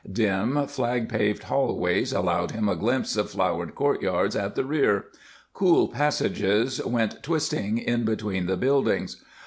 Dim, flag paved hallways allowed him a glimpse of flowered courtyards at the rear; cool passages went twisting in between the buildings.